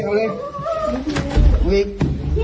พร้อมหรอ